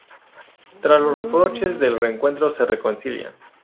Tras los reproches del reencuentro se reconcilian.